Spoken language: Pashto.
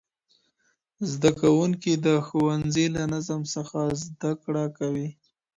زدهکوونکي د ښوونځي له نظم څخه زدهکړه کوي.